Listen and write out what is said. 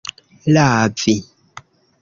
lavi